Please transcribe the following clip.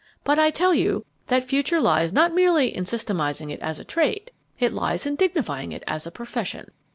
But I tell you that future lies not merely in systematizing it as a trade. It lies in dignifying it as a profession.